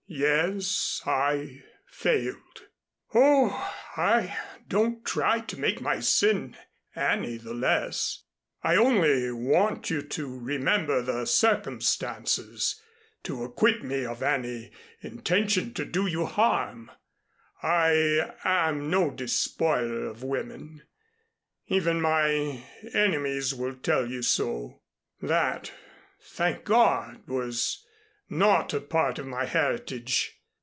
"Yes, I failed. Oh, I don't try to make my sin any the less. I only want you to remember the circumstances to acquit me of any intention to do you harm. I am no despoiler of women, even my enemies will tell you so. That, thank God, was not a part of my heritage.